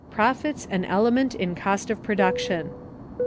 Profits an element in Cost of Production.